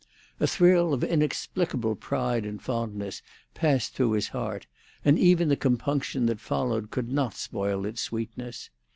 A thrill of inexplicable pride and fondness passed through his heart, and even the compunction that followed could not spoil its sweetness.